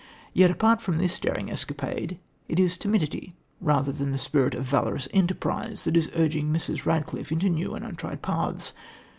Yet apart from this daring escapade, it is timidity rather than the spirit of valorous enterprise that is urging Mrs. Radcliffe into new and untried paths.